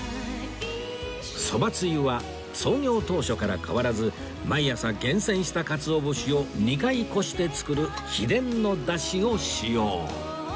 蕎麦つゆは創業当初から変わらず毎朝厳選したかつお節を２回こして作る秘伝のダシを使用